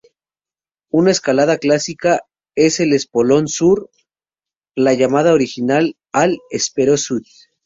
Una escalada clásica es el Espolón Sur, la llamada Original a l’Esperó Sud.